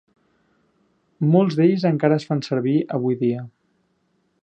Molts d'ells encara es fan servir avui dia.